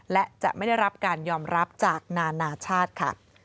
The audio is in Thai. และจะไม่ได้รับการยอมรับจากนานาชาติค่ะ